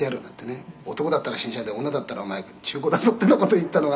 「“男だったら新車で女だったらお前中古だぞ”っていうような事言ったのが」